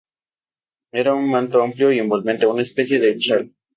Era un manto amplio y envolvente, una especie de chal.